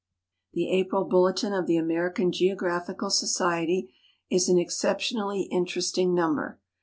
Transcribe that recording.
The April Bulletin of the American Geographical Society is an exception ally interesting number.